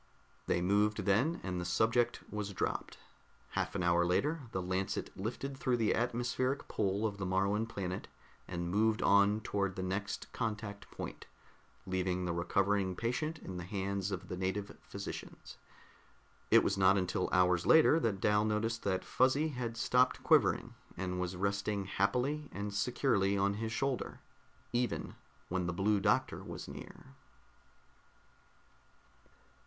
They moved then, and the subject was dropped. Half an hour later the Lancet lifted through the atmospheric pull of the Moruan planet and moved on toward the next contact point, leaving the recovering patient in the hands of the native physicians. It was not until hours later that Dal noticed that Fuzzy had stopped quivering, and was resting happily and securely on his shoulder even when the Blue Doctor was near.